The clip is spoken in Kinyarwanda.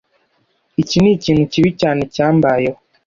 iki nikintu kibi cyane cyambayeho